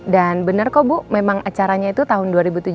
dan benar kok bu memang acaranya itu tahun dua ribu tujuh belas